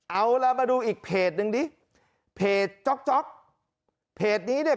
เอาล่ะมาดูอีกเพจนึงดิเพจจ๊อกจ๊อกเพจนี้เนี่ย